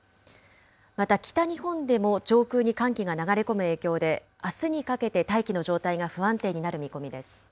また北日本でも上空に寒気が流れ込む影響で、あすにかけて大気の状態が不安定になる見込みです。